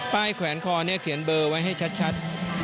แขวนคอเนี่ยเขียนเบอร์ไว้ให้ชัด